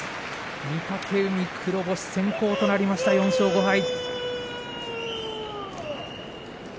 御嶽海、黒星先行となりました４勝５敗。